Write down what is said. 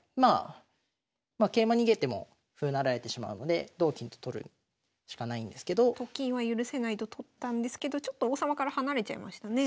まあ桂馬逃げても歩成られてしまうので同金と取るしかないんですけど。と金は許せないと取ったんですけどちょっと王様から離れちゃいましたね。